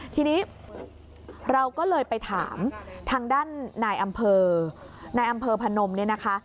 ทีนี้เราก็เลยไปถามทางด้านนายอำเภอนายอำเภอพนมเนี่ยนะคะ